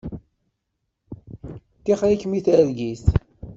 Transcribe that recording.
Tixeṛ-ikem i targit.